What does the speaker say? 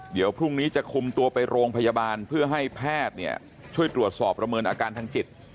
เดี๋ยวพรุ่งนี้จะคุมตัวไปโรงพยาบาลเพื่อให้แพทย์ช่วยตรวจสอบประเมินอาการทางจิต